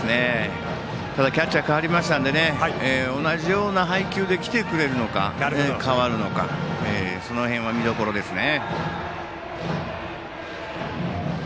ただキャッチャーが代わりましたので同じような配球で来てくれるのかあるいは変わるのかその辺は見どころですね。